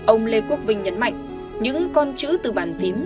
ông lê quốc vinh nhấn mạnh những con chữ từ bàn phím